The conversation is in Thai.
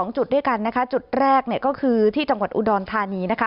จุดด้วยกันนะคะจุดแรกก็คือที่จังหวัดอุดรธานีนะคะ